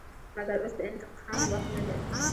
مګر اوس د انتقام وخت نه دى.